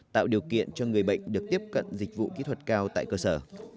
tạo điều kiện cho người bệnh được tiếp cận dịch vụ kỹ thuật cao tại cơ sở